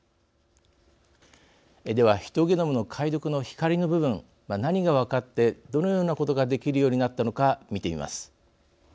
ではヒトゲノムの解読の光の部分何が分かってどのようなことができるようになったのか見てみます。